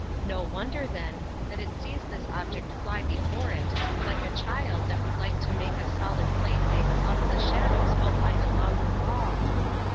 No wonder, then, that it sees this object fly be fore it, like a child that would like to make a solid plaything out of the shadows out lined along the wall!